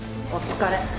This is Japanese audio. お疲れ。